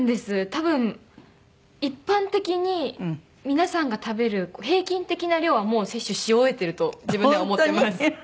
多分一般的に皆さんが食べる平均的な量はもう摂取し終えてると自分では思ってます。